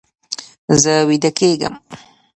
زه ویده کیږم